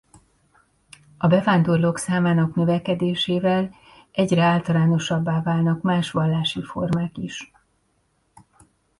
A bevándorlók számának növekedésével egyre általánosabbá válnak más vallási formák is.